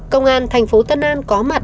công an thành phố tân an có mặt